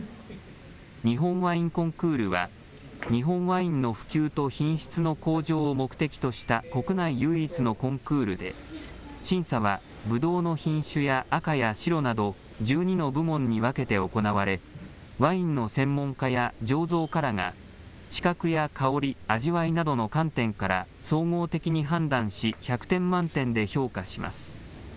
日本ワインコンクールは日本ワインの普及と品質の向上を目的とした国内唯一のコンクールで、審査は、ぶどうの品種や赤や白など１２の部門に分けて行われ、ワインの専門家や醸造家らが視覚や香り、味わいなどの観点から総合的に判断し１００点満点で評価します。